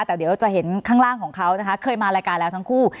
แต่เดี๋ยวจะเห็นข้างล่างของเขานะคะเคยมารายการแล้วทั้งคู่